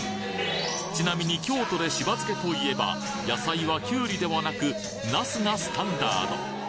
ちなみに京都でしば漬といえば野菜はキュウリではなくナスがスタンダード